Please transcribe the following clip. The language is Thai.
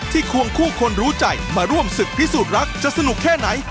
ควงคู่คนรู้ใจมาร่วมศึกพิสูจน์รักจะสนุกแค่ไหน